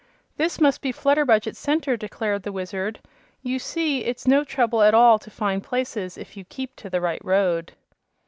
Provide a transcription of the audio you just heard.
"This must be Flutterbudget Center," declared the Wizard. "You see, it's no trouble at all to find places if you keep to the right road."